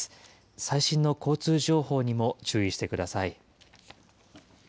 最新の交通情報にも注意してください。